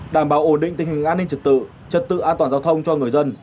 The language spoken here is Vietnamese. đảm bảo ổn định tình hình an ninh trật tự trật tự an toàn giao thông cho người dân